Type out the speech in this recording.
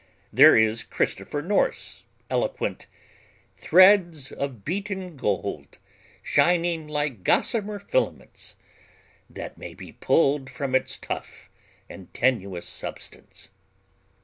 There is Christopher North's eloquent "threads of unbeaten gold, shining like gossamer filaments (that may be pulled from its tough and tenacious substance)."